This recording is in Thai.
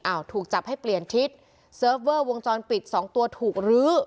ถูกจับให้เปลี่ยนทิศเซิร์ฟเวอร์วงจรปิดสองตัวถูกลื้อ